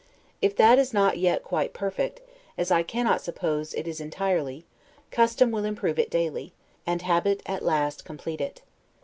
If that is not yet quite perfect, as I cannot suppose it is entirely, custom will improve it daily, and habit at last complete it.